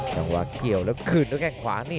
จังหวะเกี่ยวแล้วคืนด้วยแข้งขวานี่